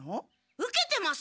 受けてます！